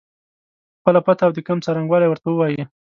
خپله پته او د کمپ څرنګوالی ورته ووایي.